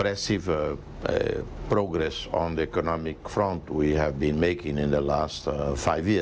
โฮเซรามอสฮอตานักวิเครากรัฐมนตรี